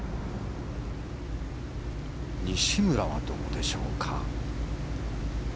西村はどうでしょうか。